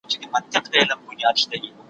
د الله تعالی سنت او قوانين ثابت دي.